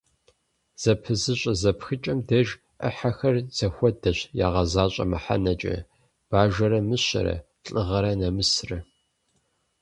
Зэпызыщӏэ зэпхыкӏэм деж ӏыхьэхэр зэхуэдэщ ягъэзащӏэ мыхьэнэкӏэ: бажэрэ мыщэрэ, лӏыгъэрэ нэмысрэ.